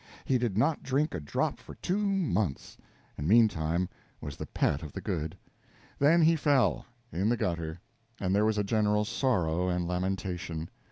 He did not drink a drop for two months, and meantime was the pet of the good. Then he fell in the gutter; and there was general sorrow and lamentation.